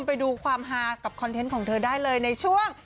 ไปดูความฮากับคอนเทนต์ของเธอได้เลยในช่วง